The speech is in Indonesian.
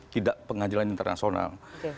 tidak pengadilan internasional